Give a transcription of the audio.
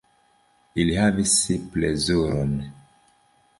Ili havis plezuron.